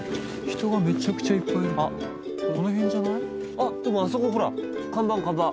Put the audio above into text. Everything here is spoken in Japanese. あっでもあそこほら看板看板。